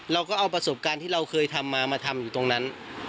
เราก็เอาประสบการณ์ที่เราเคยทำมามาทำอยู่ตรงนั้น